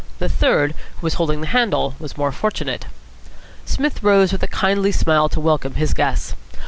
The third, who was holding the handle, was more fortunate. Psmith rose with a kindly smile to welcome his guests.